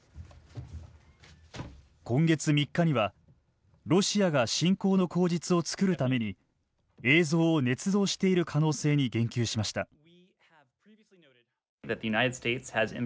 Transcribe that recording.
今月３日にはロシアが侵攻の口実を作るために映像をねつ造している可能性に言及しました。